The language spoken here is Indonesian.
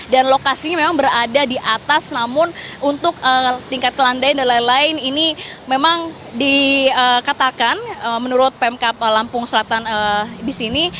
dan lokasinya memang berada di atas namun untuk tingkat kelandain dan lain lain ini memang dikatakan menurut pmk lampung selatan di sini